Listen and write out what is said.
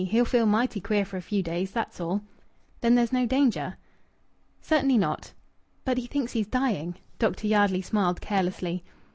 "He'll feel mighty queer for a few days. That's all." "Then there's no danger?" "Certainly not." "But he thinks he's dying." Dr. Yardley smiled carelessly.